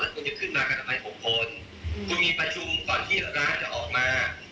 แล้วคุณจะขึ้นมากันใหม่หกคนอืมคุณมีประชุมก่อนที่ร้านจะออกมา